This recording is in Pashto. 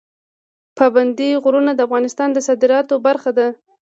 پابندی غرونه د افغانستان د صادراتو برخه ده.